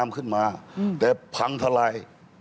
ขึ้นมาแต่พังทลาย